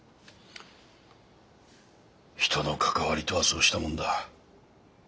人の関わりとはそうしたもんだ。